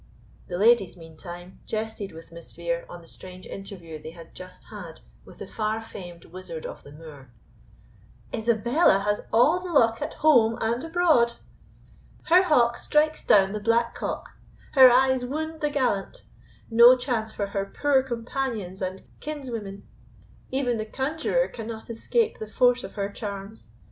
The ladies, meantime, jested with Miss Vere on the strange interview they had just had with the far famed wizard of the Moor. "Isabella has all the luck at home and abroad! Her hawk strikes down the black cock; her eyes wound the gallant; no chance for her poor companions and kinswomen; even the conjuror cannot escape the force of her charms.